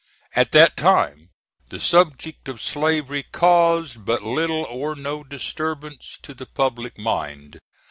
At that time the subject of slavery caused but little or no disturbance to the public mind.